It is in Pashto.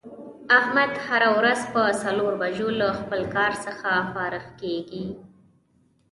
احمد هره روځ په څلور بجو له خپل کار څخه فارغ کېږي.